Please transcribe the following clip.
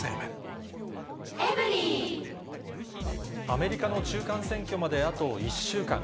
アメリカの中間選挙まであと１週間。